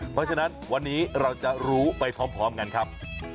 เพราะฉะนั้นวันนี้เราจะรู้ไปพร้อมกันครับ